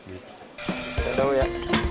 tidak tahu ya